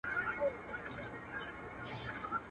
هري خوا ته يې سكروټي غورځولي.